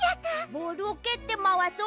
ボールをけってまわそう。